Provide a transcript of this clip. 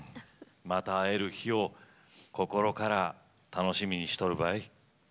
また会える日を心から楽しみにしとるばい。